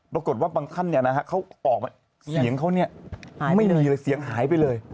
ปรากฏว่าบางขั้นเขาออกมาเสียงเขาไม่มีเลยเสียงหายไปเลย